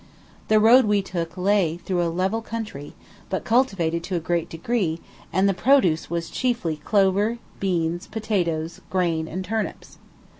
The road we took lay through a level country, but cultivated to a great degree; and the produce was chiefly clover, beans, potatoes, grain, and turnips.